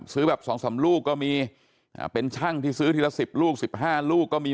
ซื้อแบบ๒๓ลูกก็มีเป็นช่างที่ซื้อทีละ๑๐ลูก๑๕ลูกก็มี